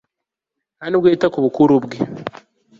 nta n'ubwo yita ku bukuru bwe